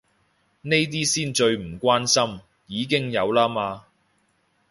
呢啲先最唔關心，已經有啦嘛